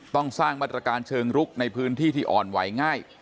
ต้องสร้างมาตรการเชิงลุกในพื้นที่ที่อ่อนไหวง่าย